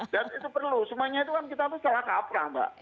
dan itu perlu semuanya itu kan kita salah kaprah mbak